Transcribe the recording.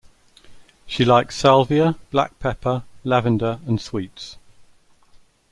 She likes Salvia, black pepper, lavender and sweets.